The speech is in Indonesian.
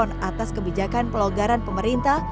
untuk mengatasi kegiatan dan kebijakan pemerintah